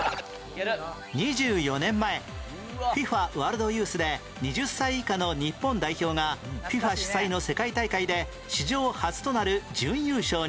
２４年前 ＦＩＦＡ ワールドユースで２０歳以下の日本代表が ＦＩＦＡ 主催の世界大会で史上初となる準優勝に